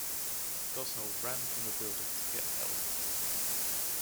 Gosnell ran from the building to get help.